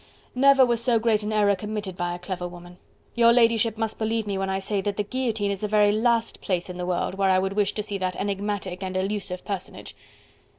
"Never was so great an error committed by a clever woman. Your ladyship must believe me when I say that the guillotine is the very last place in the world where I would wish to see that enigmatic and elusive personage."